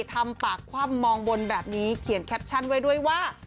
ทำปากคว่ำมองบนแบบนี้เขียนแคปชั่นไว้ด้วยว่า